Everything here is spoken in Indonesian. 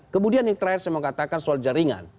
kemudian yang terakhir saya mau katakan soal jaringan